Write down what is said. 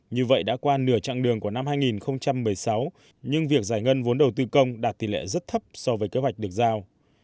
như vậy đã qua nửa chặng đường của năm hai nghìn một mươi sáu nhưng việc giải ngân vốn đầu tư công đạt tỷ lệ rất thấp so với kế hoạch được giao